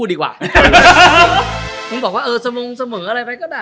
หนูบอกว่าสมมุมเสมออะไรไปได้